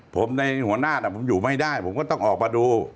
ผมในหัวหน้าผมอยู่ไม่ได้ผมก็ต้องออกมาดู